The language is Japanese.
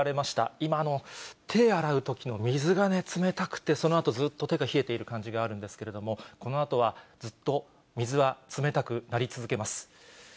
今の手洗うときの水がね、冷たくて、そのあとずっと手が冷えている感じがあるんですけれども、このあとはずっと水は冷たくなり続けます。